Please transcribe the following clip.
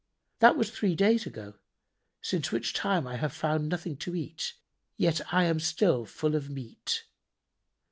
That was three days ago, since which time I have found nothing to eat, yet am I still full of meat."